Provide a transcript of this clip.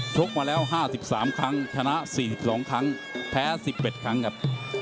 กมาแล้ว๕๓ครั้งชนะ๔๒ครั้งแพ้๑๑ครั้งครับ